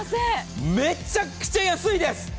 めちゃくちゃ安いです。